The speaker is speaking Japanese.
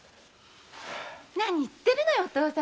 何言ってるのよお父様。